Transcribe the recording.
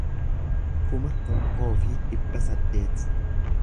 kuma tokkoo fi kudha saddeet